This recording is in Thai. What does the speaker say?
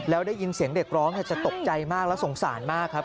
แล้วได้ยินเสียงเด็กร้องจะตกใจมากแล้วสงสารมากครับ